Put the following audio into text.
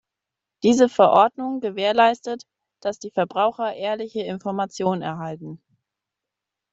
Diese Verordnung gewährleistet, dass die Verbraucher ehrliche Informationen erhalten.